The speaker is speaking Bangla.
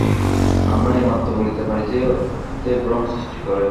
আমরা এই মাত্র বলিতে পারি যে, অবিদ্যাই ভ্রম সৃষ্টি করে।